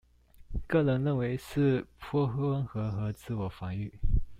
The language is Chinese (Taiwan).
個人認為是頗溫和的自我防禦